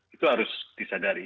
itu harus disadari